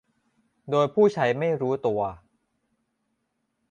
โดยผู้ใช้ไม่รู้ตัว